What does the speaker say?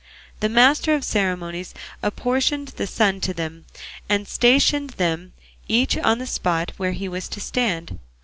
The master of the ceremonies apportioned the sun to them, and stationed them, each on the spot where he was to stand.